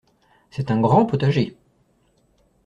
C’est un grand potager!